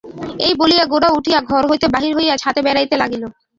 এই বলিয়া গোরা উঠিয়া ঘর হইতে বাহির হইয়া ছাতে বেড়াইতে লাগিল।